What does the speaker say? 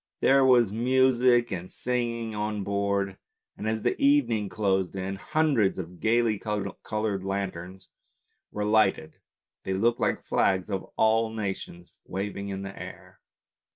There was music and singing on board, and as the even ing closed in, hundreds of gaily coloured lanterns were lighted — they looked like the flags of all nations waving in the air.